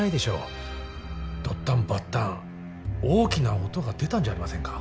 ドッタンバッタン大きな音が出たんじゃありませんか？